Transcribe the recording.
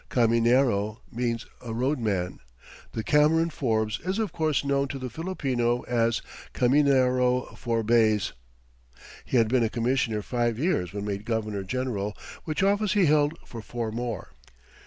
Caminero means a road man, and Cameron Forbes is of course known to the Filipino as "Caminero Forbays." He had been a commissioner five years when made governor general, which office he held for four more.